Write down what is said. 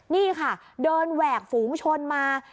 นี่ค่ะเดินแหวกฝูงชนมา